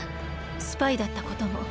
スパイだったことも。